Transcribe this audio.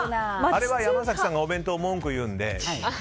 あれは山崎さんがお弁当に文句を言うので。